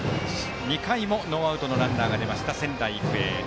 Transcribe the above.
２回もノーアウトのランナーが出た仙台育英。